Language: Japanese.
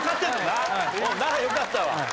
ならよかったわ。